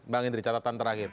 bang indri catatan terakhir